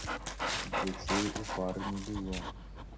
Дзяцей у пары не было.